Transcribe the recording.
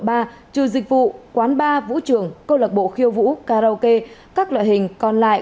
người dịch vụ quán bar vũ trường công lập bộ khiêu vũ karaoke các loại hình còn lại